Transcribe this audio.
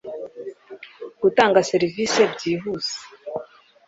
Gutanga serivisi byihuse